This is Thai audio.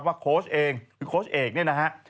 โค้ชเองคือโค้ชเอกเนี่ยนะฮะ